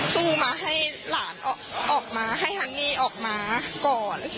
สู้มาให้หลานออกมาให้ฮันนี่ออกมาก่อน